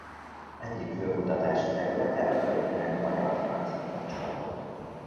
Egyik fő kutatási területe a történelmi magyar-francia kapcsolatok.